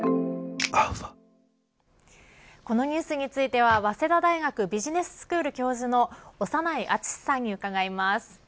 このニュースについては早稲田大学ビジネススクール教授の長内厚さんに伺います。